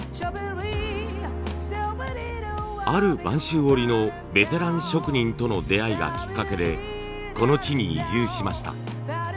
ある播州織のベテラン職人との出会いがきっかけでこの地に移住しました。